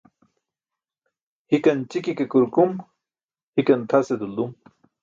Hikan ći̇ki̇ ke kurkum, hikan tʰase duldum.